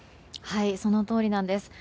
そのとおりなんです。